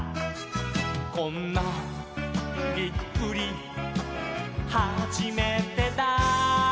「こんなびっくりはじめてだ」